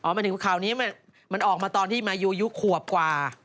หมายถึงข่าวนี้มันออกมาตอนที่มายูยุขวบกว่า